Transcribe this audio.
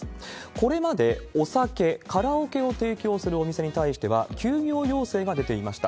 これまでお酒、カラオケを提供するお店に対しては、休業要請が出ていました。